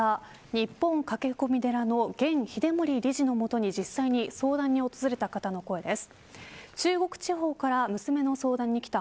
日本駆け込み寺の玄秀盛理事の元に実際に相談に訪れた方の声です。